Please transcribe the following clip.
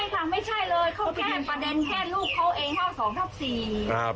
ไปเที่ยวเดินตามหาไม่ใช่ค่ะไม่ใช่เลย